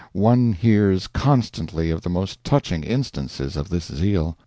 One hears constantly of the most touching instances of this zeal.